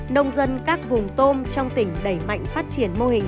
nông dân các vùng tôm trong tỉnh đẩy mạnh phát triển mô hình